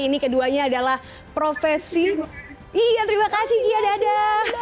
ini keduanya adalah profesi iya terima kasih kia dadah